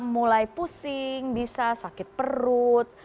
mulai pusing bisa sakit perut